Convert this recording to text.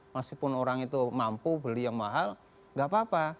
masih pun orang itu mampu beli yang mahal gak apa apa